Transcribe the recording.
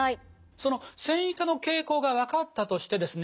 その線維化の傾向が分かったとしてですね